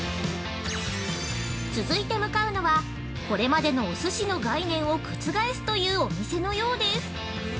続いて向かうのは、これまでのお寿司の概念を覆すというお店のようです。